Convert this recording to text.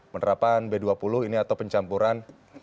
penerapan b dua puluh ini atau pencampuran